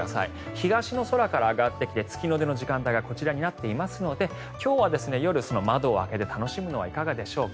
東の空から上がってきて月の出の時間がこちらになっていますので今日は夜、窓を開けて楽しむのはいかがでしょうか。